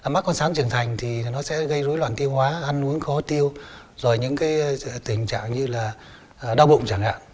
mắc con sán trưởng thành thì nó sẽ gây rối loạn tiêu hóa ăn uống khó tiêu rồi những tình trạng như là đau bụng chẳng hạn